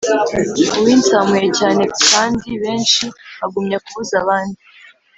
uwinsamuye_ cyane kandi kenshi, agumya kubuza abandi